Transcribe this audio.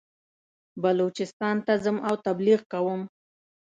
بلوچستان ته ځم او تبلیغ کوم.